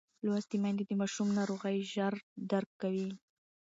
لوستې میندې د ماشوم ناروغۍ ژر درک کوي.